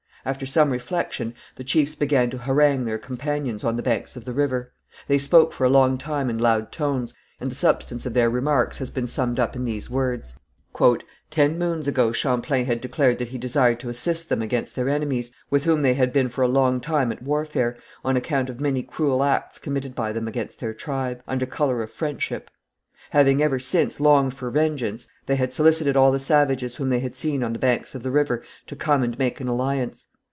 After some reflection the chiefs began to harangue their companions on the banks of the river. They spoke for a long time in loud tones, and the substance of their remarks has been summed up in these words: "Ten moons ago Champlain had declared that he desired to assist them against their enemies, with whom they had been for a long time at warfare, on account of many cruel acts committed by them against their tribe, under colour of friendship. Having ever since longed for vengeance, they had solicited all the savages whom they had seen on the banks of the river to come and make an alliance.